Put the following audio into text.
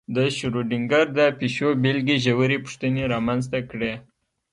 د شرودینګر د پیشو بېلګې ژورې پوښتنې رامنځته کړې.